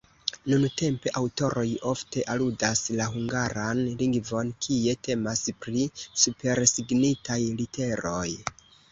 Nuntempe aŭtoroj ofte aludas la hungaran lingvon, kie temas pri supersignitaj literoj.